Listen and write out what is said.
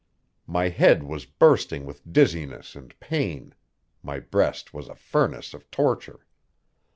My head was bursting with dizziness and pain; my breast was a furnace of torture.